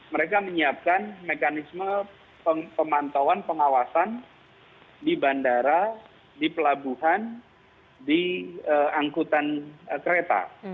mereka menyiapkan mekanisme pemantauan pengawasan di bandara di pelabuhan di angkutan kereta